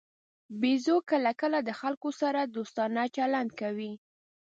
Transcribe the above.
بیزو کله کله د خلکو سره دوستانه چلند کوي.